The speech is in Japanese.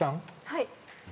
はい。